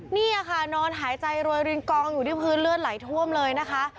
นี่ค่ะนอนหายใจรวยรินกองอยู่ที่พื้นเลือดไหลท่วมเลยนะคะ